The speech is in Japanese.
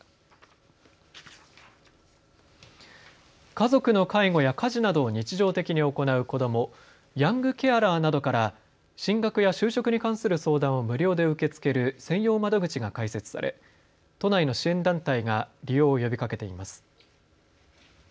家族の介護や家事などを日常的に行う子ども、ヤングケアラーなどから進学や就職に関する相談を無料で受け付ける専用窓口が開設され都内の支援団体が利用を呼びかけています。